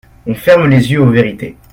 On ferme les yeux aux vérités.